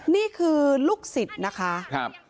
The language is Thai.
นี่คือลูกสิทธิ์นะคะ